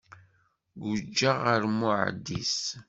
Guǧǧeɣ ɣer Muɛdis.